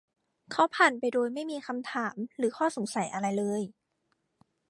เขาผ่านไปโดยไม่มีคำถามหรืออข้อสงสัยอะไรเลย